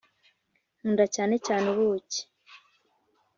nkunda cyane cyane ubuki.